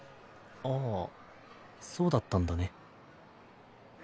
ああそうだったんだね。